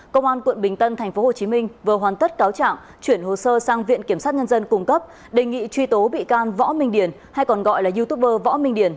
công an quận bình tân tp hcm vừa hoàn tất cáo trạng chuyển hồ sơ sang viện kiểm sát nhân dân cung cấp đề nghị truy tố bị can võ minh điển hay còn gọi là youtuber võ minh điển